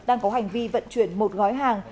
đang có hành vi vận chuyển một gói hàng